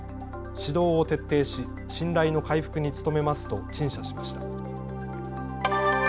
指導を徹底し信頼の回復に努めますと陳謝しました。